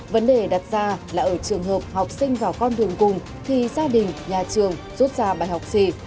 vấn đề đặt ra là ở trường hợp học sinh vào con đường cùng thì gia đình nhà trường rút ra bài học gì